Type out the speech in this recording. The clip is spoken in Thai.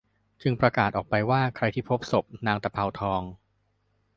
จึงประกาศออกไปว่าใครที่พบศพนางตะเภาทอง